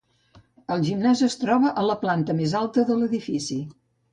El gimnàs es troba a la planta més alta de l'edifici.